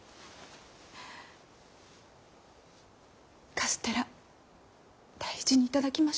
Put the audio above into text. カステラ大事に頂きましょうね。